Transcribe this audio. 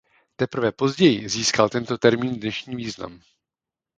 Teprve později získal tento termín dnešní význam.